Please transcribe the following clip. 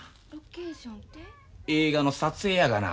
映画の撮影やがな。